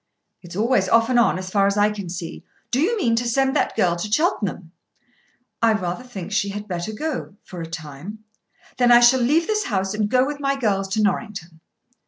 "It's always off and on as far as I can see. Do you mean to send that girl to Cheltenham?" "I rather think she had better go for a time." "Then I shall leave this house and go with my girls to Norrington."